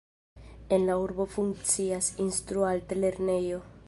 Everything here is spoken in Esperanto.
En la urbo funkcias Instrua Altlernejo.